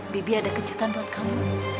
bibi ada kejutan buat kamu